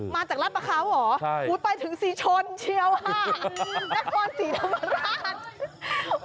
มาจากรัฐประเขาเหรอไปถึงศรีชนเชียวค่ะนครศรีธรรมราช